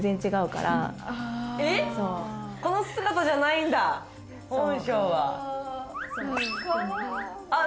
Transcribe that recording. この姿じゃないんだそう本性はあっ